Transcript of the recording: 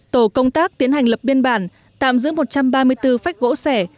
tổ công tác tiến hành lập biên bản tạm giữ một trăm ba mươi bốn phách gỗ sẻ